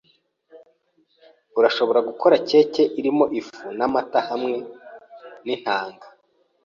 Urashobora gukora keke irimo ifu namata hamwe nintanga.